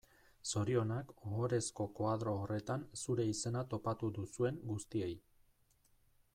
Zorionak ohorezko koadro horretan zure izena topatu duzuen guztiei.